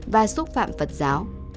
và xúc phạm phật giáo